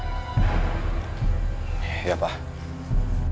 aku ingin berbicara dengan mereka